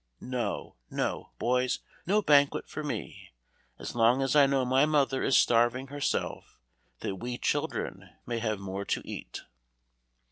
No, no, boys; no banquet for me, as long as I know my mother is starving herself that we children may have more to eat."